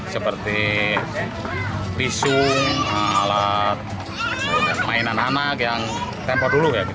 seperti risu alat mainan anak yang tempo dulu